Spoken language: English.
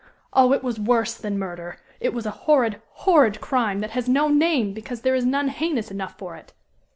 Oh! it was worse than murder. It was a horrid, horrid crime, that has no name because there is none heinous enough for it.